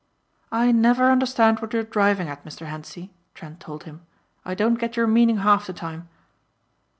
"I never understand what you're driving at Mr. Hentzi," Trent told him. "I don't get your meaning half the time."